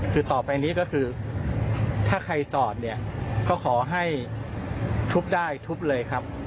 คือต่อไปนี้ก็คือถ้าใครจอดเนี่ยก็ขอให้ทุบได้ทุบเลยครับ